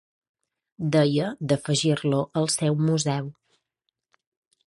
Deia d'afegir-lo al seu museu.